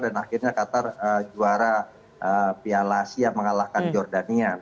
dan akhirnya qatar juara piala asia mengalahkan jordanian